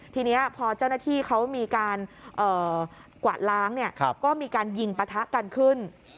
ทีนี้พอเจ้าหน้าที่เขามีการกวาดล้างก็มีการยิงปะทะกันขึ้น